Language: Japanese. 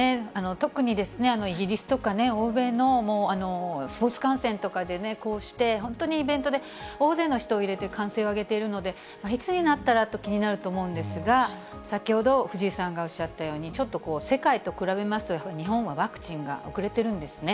とくにイギリスとかね、欧米のスポーツ観戦とかでね、こうして本当にイベントで、大勢の人を入れて歓声を上げているので、いつになったらと、気になると思うんですが、先ほど、藤井さんがおっしゃったように、ちょっと世界と比べますと、やはり日本はワクチンが遅れているんですね。